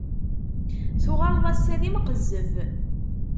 Tuɣaleḍ ass-a d imqezzeb.